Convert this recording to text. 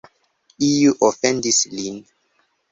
Iu ofendis lin.